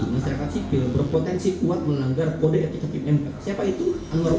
masyarakat sipil berpotensi kuat melanggar kode etik hakim mk